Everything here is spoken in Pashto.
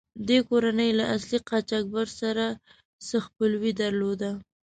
دې کورنۍ له اصلي قاچاقبر سره څه خپلوي درلوده.